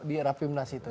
dierapi menas itu